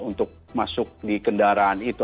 untuk masuk di kendaraan itu